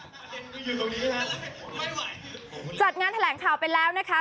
อยู่ตรงนี้นะไม่ไหวจัดงานแถลงข่าวไปแล้วนะคะ